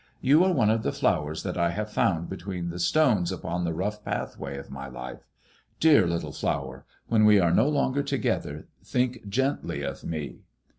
* You are one of the flowers that I have found between the stones upon the rough pathway of my life Dear little flower, when we are no longer together, think gently of me."